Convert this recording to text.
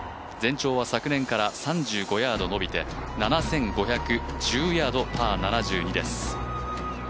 全長は昨年から３５ヤード延びて、７５１０ヤードパー７２です。